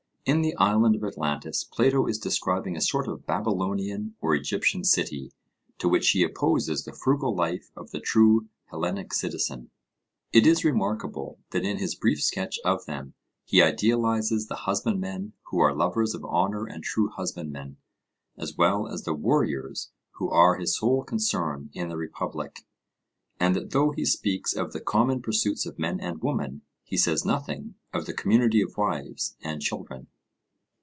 In the island of Atlantis, Plato is describing a sort of Babylonian or Egyptian city, to which he opposes the frugal life of the true Hellenic citizen. It is remarkable that in his brief sketch of them, he idealizes the husbandmen 'who are lovers of honour and true husbandmen,' as well as the warriors who are his sole concern in the Republic; and that though he speaks of the common pursuits of men and women, he says nothing of the community of wives and children.